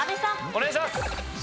お願いします。